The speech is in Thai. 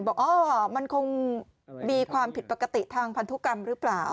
บอกอ๋อมันคงมีความผิดปกติทางพันธุกรรมหรือเปล่า